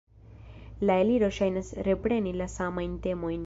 La Eliro ŝajnas repreni la samajn temojn.